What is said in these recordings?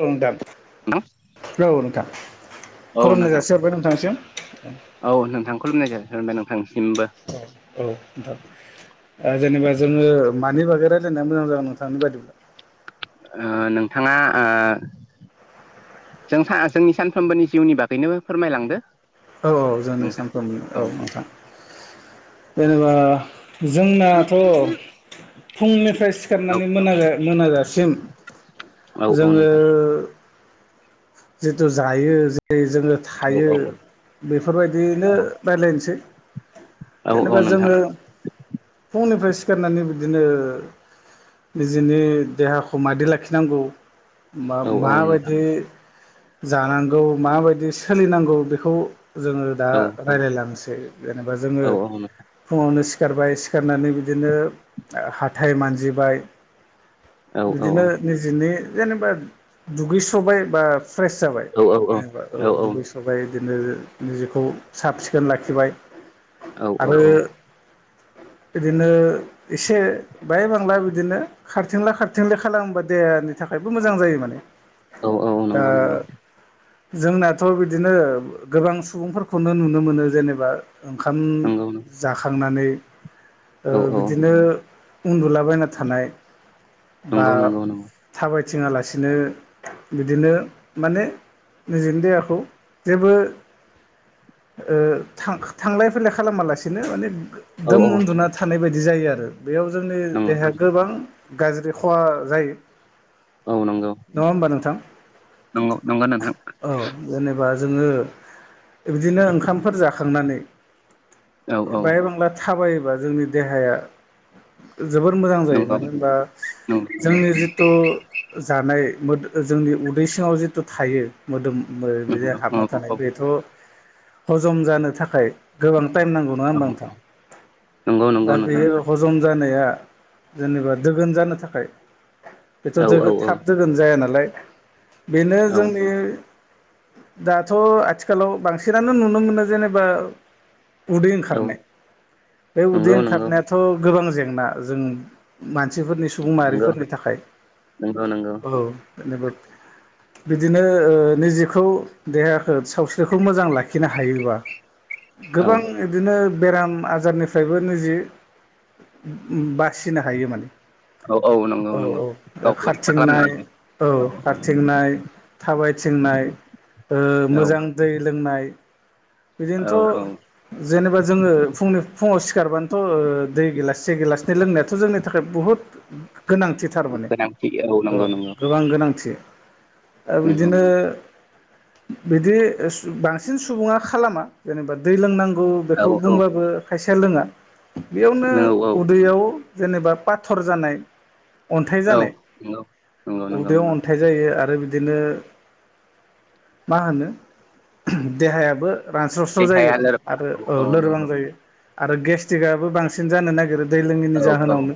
औ नोंथां। औ खुलुमनाय नोंथां जासिहरबाय नोंथांसिम औ नोंथां खुलुमनाय जासिहरबाय नोंथांसिमबो। औ नोंथां ओ जेनेबा जोङो। मानि बागै रायजलायनाया मोजां जागोन नोंथांनि बायदिब्ला? ओ नोंथाङा ओ जों जोंनि सानफ्रोमबोनि जिउनि बागैनो फोरमायलांदो। औ औ जोंनि नोंथां सानफ्रोमबो औ नोंथां जेनेबा जोंनाथ' फुंनिफ्राय औ सिखारनानै मोना मोनाजासिम औ औ जोङो। नोंथां जिथु जायो जेरै जोङो औ थायो औ बेफोरबायदियैनो औ रायलायनोसै। औ औ जेनेबा नोंथां जोङो फुंनिफ्राय सि सिखारनानै बिदिनो निजेनि देहाखौ मादि लाखिनांगौ मा औ औ नोंथां माबायदि जानांगौ माबायदि सोलिनांगौ बेखौ जोङो दा औ रायलायलांनोसै जेनेबा जोङो औ औ फुङावनो सि सिखारबाय सिखारनानै बिदिनो हाथाय मानजिबाय औ बिदिनो निजेनि जेनेबा दुगैस्र'बाय बा फ्रेस जाबाय नायबा औ दुगैस्रय बिदिनो निजेखौ साब सिखोन लाखिबाय औ औ औ [inaudible] इदिनो इसे बाहाय बांला बिदिनो खारथिंला खारथिंलि खालामबा देहानि थाखाय थाखायबो मोजां जायो माने औ औ नोंगौ नोंगौ दा जोंनाथ' बिदिनो गोबां सुबुंफोरखौनो नुनो मोनो जेनेबा ओंखाम हाखांनानै ओ औ औ बिदिनो उन्दुलाबायना थानाय बा नंगौ नंगौ नंगौ थाबायथिङा लासिनो बिदिनो माने निजिनि देहाखौ जेबो ओ थां थांलाय फैलाय खालामालासिनो माने औ दोम औ उन्दुना थानाय बायदि जायो आरो बेयाव जोंनि नंगौ देहाया गोबां गाज्रि खहा जायो औ नंगौ नङा होमबा नोंथां नंगौ नंगौ नोंथां औ जेनेबा जोङो बिदिनो ओंखामफोर जाखांनानै औ औ बाहाय बांला थाबायोबा जोंनि देहाया जोबोर मोजां जायो नंगौ मानो नंगौ होनबा नंगौ जोंनि जिथु जानाय जोंनि उदै सिङाव जिथु थायो नंगौ मोदोमजों हाबना नंगौ थानाय बेथ' हजम जानो थाखाय गोबांथाइम नङा होनबा नंगौ नोंथां नंगौ नंगौ दा नोंथां बे लखौ जों जानाया जेनेबा दोगोन जानो थाखाय औ बेथ' दोग औ थाब दोगोनो जाया नालाय बेनो औ जोंनि दाथ' आथिखालाव बांसिनानो नुनो मोनो जेनेबा उदै औ बे उदै नंगौ नंगौ ओंखारनायाथ' गोबां जेंना जों मानसिफोरनि सुबुं नंगौ माहारिफोरनि थाखाय नंगौ नंगौ औ जेनेबा बिदिनो ओ निजेखौ देहाखौ सावस्रिखौ मोजां लाखिनो हायोबा औ गोबां गोबां बेराम आजारनिफ्रायबो निजे बासिनो हायो माने औ औ नंगौ औ नंगौ औ बे गावखौ रैखा खालामनो खारथिंनाय औ हायो खारथिंनाय थाबायथिंनाय ओ औ मोजां दै लोंनाय औ औ बिदिनोथ' जेनेबा जोङो फुंनि फुङाव सिखारबानोथ' दै गिलास से गिलासनै लोंनायाथ' जोंनि थाखाय बुहुत गोनांथि थारमाने गोनांथि औ नंगौ नंगौ गोबां गोनांथि आरो नंगौ बिदिनो बिदि बांसिन सुबुङा खालामा जेनेबा दै लोंनांगौ गौ औ बेखौ औ बुंबाबो खायसेया लोङा बेयावनो नंगौ औ उदैयाव जेनेबा पाथर जानाय अन्थाइ औ जानाय नंगौ नंगौ नंगौ उदैयाव अन्थाइ जायो आरो आरो बिदिनो मा होनो देहायाबो रानस्र'स्र' जायो देहाया माने लोर औ आरो औ लोरबां नंगौ जायो आरो गेस्ट्रिकआबो बांसिन जानो नागिरो दै लोङैनि औ औ जाहोनावनो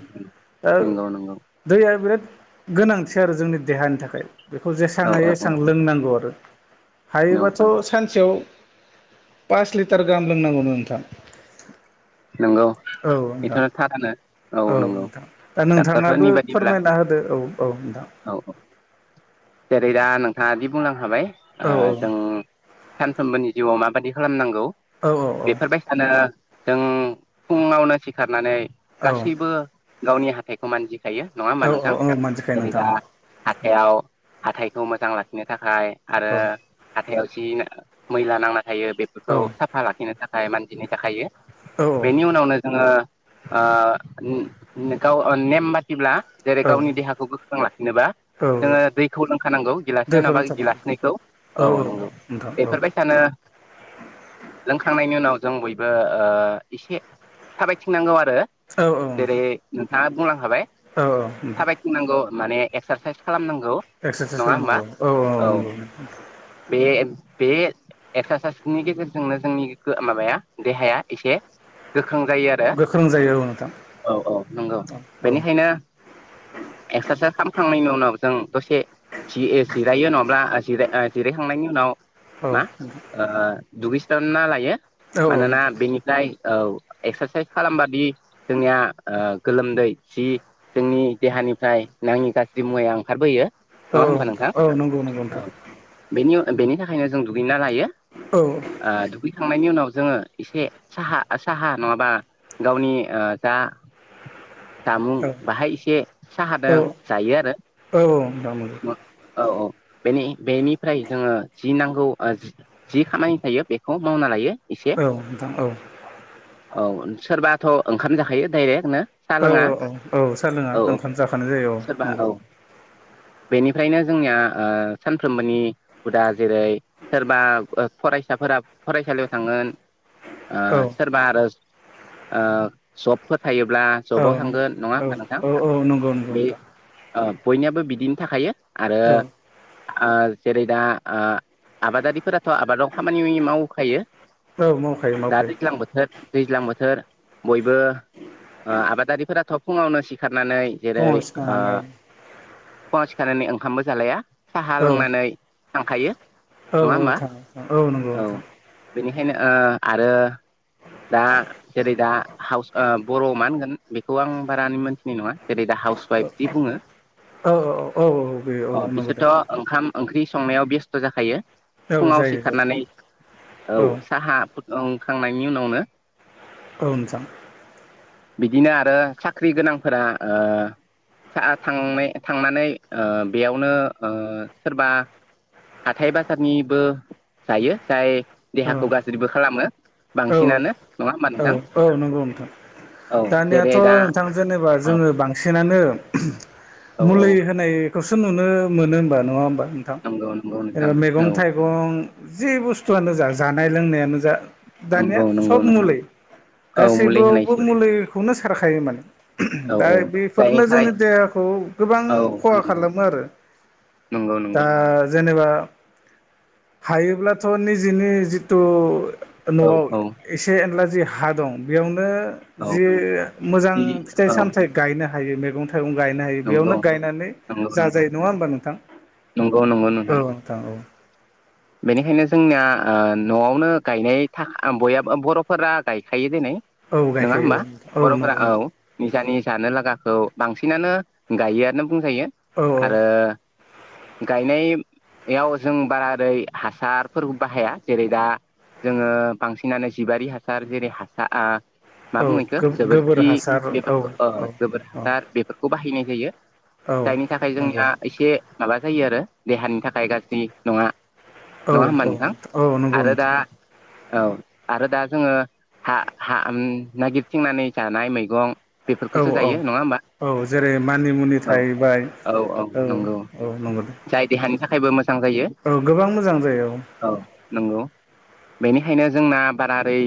दा नंगौ नंगौ दैया बिराद गोनांथि आरो जोंनि देहानि थाखाय बेखौ जेसां औ औ हायो एसेबां लोंनांगौ आरो औ हायोबाथ' सानसेयाव पास लिटार लिटार गाहाम लोंनांगौनो नोंथां नंगौ औ बेथ' नोंथां थारानो औ नोंथां दा नोंथांनाबो डाक्टरफोरनि बादिब्ला फोरमायना ह फोरमायना होदो औ औ नोंथां औ औ जेरै दा नों नोंथांङा दि बुंलां खाबाय औ औ ओ जों सानफ्रोमबोनि जिउआव माबायदि खालामनांगौ औ बेफोरबायसानो जों फुंङावनो सिखारनानै औ गासैबो गावनि हाथाइखौ मानजिखायो नंङा होमबा औ नोंथां औ मोनथिखायो जेरै नोंथां दा औ हाथायाव हाथायखौ मोजां लाखिनो थाखाय आरो औ हाथायाव जि मैला नांना थायो बेफोरखौ साफा लाखिनो थाखाय मानजिनाय जाखायो औ बेनि उनावनो जोंङो ओ उम उम गाव ओ नेम बदिब्ला जेरै औ गावनि देहाखौ गोख्रों लाखिनोबा औ जोंङो दैखौ लोंखानांगौ गिलास से दैखौ नंङाबा लोंथारनांगौ गिलासिनैखौ औ नंगौ बेफोरबायसानो लोंखांनायनि उनाव जों बयबो ओ एसे थाबायथिंनांगौ आरो औ औ जेरै नोंथां ना बुंलांखाबाय औ नोंथां थाबायथिनांगौ माने एक्सारसाइस खालामनांगौ एक्सारसाइस नङा होमबा खालामनांगौ औ औ औ नंगौं। बे बे एक्सारसाइसनि गेजेरजोंनो जोंनि गो माबाया देहाया एसे गो गोक्रों जायो आरो गोख्रों जायो औ नोंथां औ औ नंगौ औ बेनिखायनो एक्सारसाइस खालामखांनायनि उनाव जों दसे जि-जिरायो नंङाब्ला जिराय ओ जिरायखांनायनि उनाव मा ओ ओ दुगैस्रोनालायो औ नोंथां औ औ मानोना नोंथां बेनिफ्राय औ एक्सारसाइस खालामबादि जोंनिया ओ गोलोमदै जि जोंनि देहा निफ्राय नांङि गाज्रि मुवाया ओंखारबोयो औ नङा होमबा नोंथां औ नोंगौ नोंगौ औ नोंथां बेनि उम बेनि थाखायनो जों दुगैना लायो औ ओ दुगैखांनायनि उनाव जोंङो एसे साहा साहा नंङाबा गावनि ओ जा जामुं औ बाहाय एसे औ साहादों जायो आरो औ नोंथां नंगौ मो औ औ बेनि बेनि ओइ जोंङो जि नांगौ ओ जि खामानि थायो बेखौ मावना लायो एसे औ नोंथां औ औ सोरबाथ ओंखाम जाखायो डाइरेक्ट नो औ औ औ सा लोंङा ओंखाम जाखानाय जायो औ नंगौ बेनिफ्रायनो जोंनिया ओ सानफ्रोमबोनि हुदा जेरै सोरबा फरायसाफोरा फरायसालियाव थांगोन ओ औ सोरबा आरो ओ जबफोर थायोब्ला जबाव औ थांगोन नंङा औ होमबा नोंथां औ औ नंगौ नंगौ बे नोंथां ओ बयनियाबो बिदिनो थाखायो आरो औ ओ जेरै दा ओ आबादारिफोराथ' आबादाव खामानि मावखायो औ मावखायो दा मावखायो दैज्लां बोथोर दैज्लां बोथोर बयबो ओ आबादारिफोराथ' फुंङावनो सिखार नानै जेरै फुङाव ओ सिखारनानै औ फुंङाव सिखारनानै ओंखामबो जालाया साहा लोंनानै थांखायो औ नङा औ होमबा थांङो औ नंगौ नोंथां बेनिखायनो ओ आरो दा जेरै दा हाउस बर' मा होनगोन बेखौ आं बारानि मोनथिनाय नंङा जेरै दा हाउस औ वाइफदि बुंङो औ औ बे औ अ नंगौ बिसोरथ दे ओंखाम ओंख्रि संनायाव बेस्थ जाखायो औ फुंङाव जायो जायो सिखारनानै औ साहा ओं खांनायनि उनावनो औ नोंथां बिदिनो आरो साख्रि गोनांफोरा ओ सा थांनाय थांनानै ओ बेयावनो ओ सोरबा हाथाय बाजारनिबो जायो जाय औ देहाखौ गाज्रिबो खालामो औ बांसिनानो नङा होमबा औ नोंथां औ नंगौ नोंथां औ दानियाथ जेरै दा नोंथां जेनेबा औ जोङो बांसिननानो औ औ मुलि होनायखौसो नुनो मोनो होमबा नङा होमबा नोंथां नंगौ नंगौ नोंथां ओ मेगं औ थाइगं जि बुस्थुयानो जा जानाय लोंनायानो दा दानिया नंगौ नंगौ सब नोंथां मुलि औ मुलि गासैबो होनायसो मुलिखौनो सो सारखायो माने औ दा औ जायनि बेफोरनो थाखाय जोंनि देहाखौ गोबां औ खहा नंगौ खालामो आरो नंगौ दा नंगौ जेनेबा हायोब्लाथ निजेनि जिथु औ नआव औ एसे एनला जि हा दं बेयाव नो औ जि मोजां जि फिथाय औ सामथाय गायनो हायो मेगं थाइगं गायनो हायो नंगौ बेयावनो गायनानै नंगौ नंगौ जाजायो नङा होमबा नोंथां नंगौ नंगौ औ नोंथां औ बेनिखायनो जोंनिया ओ नआवनो गायनाय था बयाबो बरफोरा गायखायो [unintelligible] नै औ नङा गायखायो होमबा औ बरफोरा नंगौ औ निजानि जानो लागाखौ बांसिनानो गायोआनो बुंजायो औ आरो गायनाय आव जों बारा ओरै हासारफोरखौ बाहाया जेरै दा जोङो बांसिनानो जिबारि हासार जेरै हासा ओ मा औ बुङो इखौ गोबोर जोबोरखि हासार औ बेफोरखौ औ गोबोर औ हासार बेफोरखौ बाहायनाय होयो औ जायनि थाखाय नंगौ जोंनिया एसे माबा जायो आरो देहानि थाखाय गाज्रि नङा। औ नङा होनबा औ नोंथां औ नंगौ आरो दा नोंथां औ आरो दा जोङो हा हा नागिरथिंनानै जानाय मैगं औ बेफोरखौसो औ जायो नङा होमबा? औ जेरै मानि मुनि औ थाहैबाय औ औ नंगौ दे। जाय देहानि थाखायबो मोजां जायो औ गोबां मोजां जायो औ नंगौ। बेनिखायनो जोंना बारारै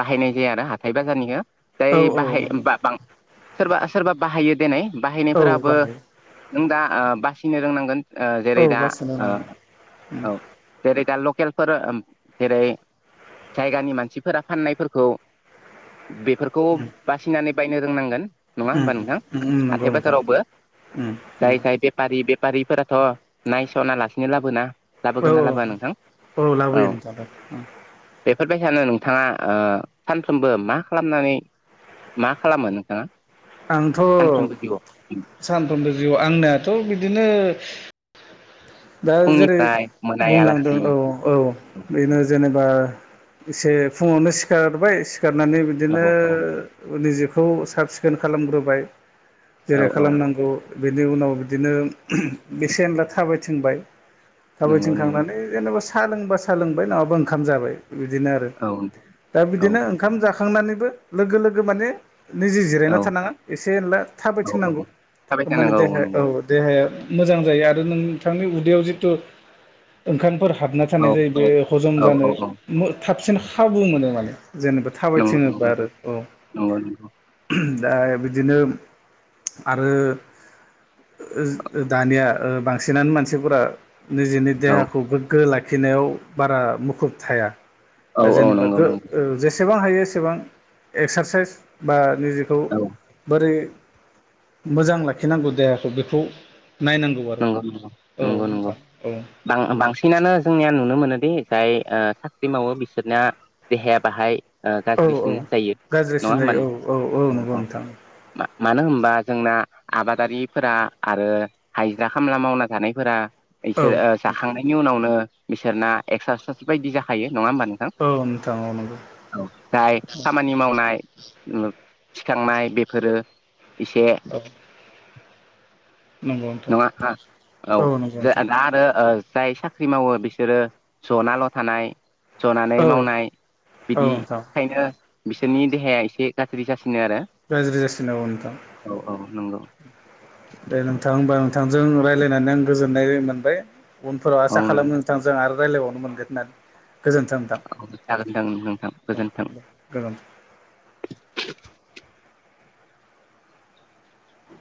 बाहायनाय जाया आरो हाथाय बाजारनिखौ जाय औ औ बाहाय औ बां सोरबा सोरबा बाहायो दनै औ बाहायनायफोराबो बाहायो नों दा बासिनो रोंनांगोन जेरै औ दा बासिनो ओ नाङा उम औ जेरै दा लकेलफोर ओम जेरै जायगानि मानसिफोरा फाननायफोरखौ बेफोरखौ बासिनानै बायनो रोंनांगोन। नङा उम होमबा नोंथां उम उम नंगौ हाथाय नोंथां बाजारावबो उम जाय नंगौ जाय बेफारि बेफारिफोराथ' नायस'ना लासिनो लाबोना औ लाबोगोन ना लाबोआ नोंथां औ औ लाबोयो नोंथां। फोरबाय सानो नोंथाङा ओ सानफ्रोमबो मा खालामनानै मा खालामो नोंथाङा? आंथ' सानफ्रोमबो जिउआव सानफ्रोमबो जिउ आंनियाथ' बिदिनो दा जेरै फुंनिफ्राय बुंनांदों मोनायालासिम औ औ बेनो जेनेब बा एसे फुङावनो सिखारबाय सिखारनानै बिदिनो औ औ निजे खौ साब सिखोन खालामग्रोबाय जेरै औ औ खालामनांगौ बेनि उनाव बिदिनो बेसेनला थाबायथिंबाय नंगौ थाबायथिं नंगौ खांनानै जेनेबा सा लोंबा सा लोंबाय नङाबा ओंखाम जाबाय। बिदिनो आरो औ दा औ बिदिनो ओंखाम जाखांनानैबो लोगो लोगो माने निजि औ जिरायना थानाङा एसे एनला औ थाबायथिंनांगौ औ थाबाय माने थानांगौ देहाया औ नंगौ देहाया मोजां जायो आरो नोंथांनि उदैयाव जिथु ओंखामफोर हाबना औ थानाय जायो बे हजम औ जानो औ औ मो थाबसिन खाबु मोनो माने। जेनेबा नंगौ थाबायथिङोबा नंगौ आरो औ। नंगौ नंगौ दा बिदिनो आरो दानिया ओ बां सिनानो मानसिफोरा निजेनि औ देहाखौ गोग्गो लाखिनायाव बारा मुखुब थाया। औ दा औ जेनेबा नंगौ गो नंगौ ओ जेसेबां हायो एसेबां एक्सारसाइस बा मानि जेखौ औ बोरै मोजां लाखिनांगौ देहाखौ बेखौ नायनांगौ आरो। नंगौ औ नंगौ नंगौ नोंथां औ बां बांसिनानो जोंनिया नुनो मोनो बे ओ जाय साख्रि मावो बिसोरनि देहाया बाहाय औ गाज्रिसिन औ जायो नङा गाज्रिसिन होमबा जायो औ नोंहा औ नंगौ औ औ नोंथां मा मानो होनबा जोंना आबादारिफोरा आरो हाइजिरा खामला मावना जानायफोरा औ बिसोर ओ जाखांनायनि उनावनो बिसोरना एक्सारसाइस बायदि जाखायो। नङा होमबा नोंथां औ नोंथां औ नंगौ औ जाय खामानि मावनाय ओम थिखांनाय बेफोरो एसे औ नंगौ नोंथां नङा औ औ नंगौ दा नोंथां आरो ओ जाय साख्रि मावो बिसोरो जनाल' थानाय जनानै औ मावनाय औ नोंथां बिदिखायनो बिसोरनि देहाया एसे गाज्रि जासिन गाज्रि जासिनो औ नोंथां। नोंगौ। दे नोंथां होनबा नोंथांजों रायलायनानै आं गोजोननाय मोनबाय। उनफोराव औ आसा खालामो नोंथां नोंथांजों आरो रायलायबावनो मोनगोन होननानै। गोजोन्थों नोंथां औ जागोन जागोन नोंथां औ गोजोन्थों दे गोजोन्थों। [inaudible]